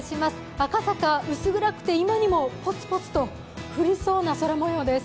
赤坂、薄暗くて今にもポツポツと降りそうな空もようです。